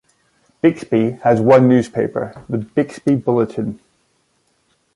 Bixby has one newspaper, the Bixby Bulletin.